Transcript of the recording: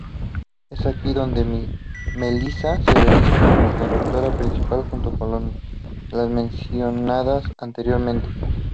Es aquí donde Melissa se realiza como conductora principal junto con las mencionadas anteriormente.